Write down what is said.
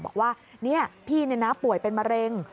บอกว่านี่พี่นี่นะป่วยเป็นมะเร็ง